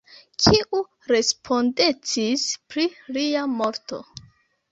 Kiu respondecis pri lia morto?